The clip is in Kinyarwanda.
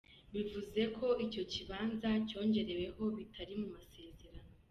Bivuze ko icyo kibanza cyongereweho bitari mu masezerano.